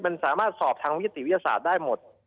มันสามารถสอบทางวิทยาศาสตร์ได้หมด